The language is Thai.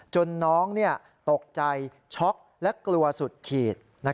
จนน้องตกใจช็อกและกลัวสุดขีด